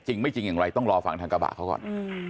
ไม่จริงอย่างไรต้องรอฟังทางกระบะเขาก่อน